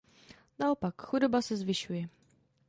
Naopak, chudoba se zvyšuje.